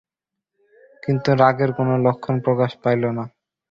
কিন্তু রাগের কোনো লক্ষণ প্রকাশ পাইল না।